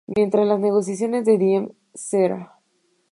Mientras las negociaciones de Diem, Sra.